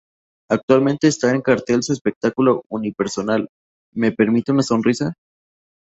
Actualmente esta en cartel su espectáculo unipersonal "¿Me permite una Sonrisa?